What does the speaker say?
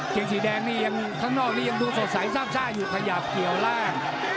เกงสีแดงนี่ยังข้างนอกนี้ยังดูสดใสซาบซ่าอยู่ขยับเกี่ยวล่าง